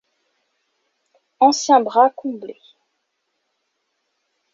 Ancien bras comblé.